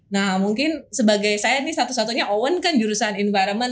nah mungkin sebagai saya nih satu satunya owen kan jurusan environment